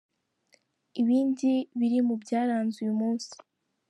Ibindi biri mu byaranze uyu munsi